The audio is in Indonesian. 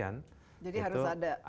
jadi harus ada cap